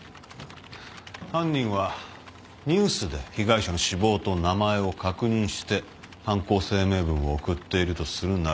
犯人はニュースで被害者の死亡と名前を確認して犯行声明文を送っているとするなら。